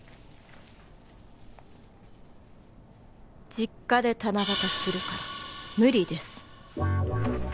「実家で七夕するから無理です」